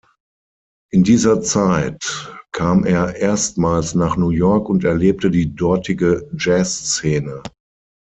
In dieser Zeit kam er erstmals nach New York und erlebte die dortige Jazzszene.